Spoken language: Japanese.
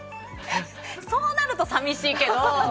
そうなると寂しいけど。